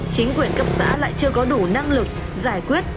chính quyền cấp xã lại chưa có đủ năng lực giải quyết